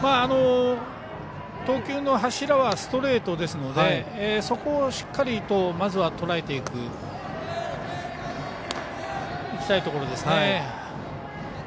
投球の柱はストレートですのでそこをしっかりとまずはとらえていきたいですね。